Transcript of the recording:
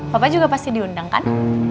papa juga pasti diundangkan